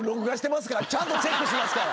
ちゃんとチェックしますから。